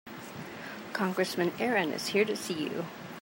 Congressman Aaron is here to see you.